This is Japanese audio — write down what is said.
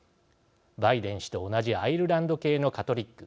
バイデン氏と同じアイルランド系のカトリック。